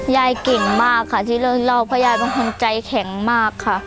ยายเก่งมากค่ะที่เลิกเล่าเพราะยายเป็นคนใจแข็งมากค่ะ